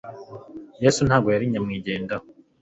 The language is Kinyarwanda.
Yesu ntabwo yari nyamwigendaho,